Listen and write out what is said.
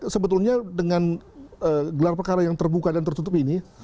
sebetulnya dengan gelar perkara yang terbuka dan tertutup ini